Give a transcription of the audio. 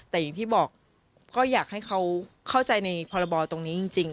แต่อย่างที่บอกก็อยากให้เขาเข้าใจในพรบตรงนี้จริง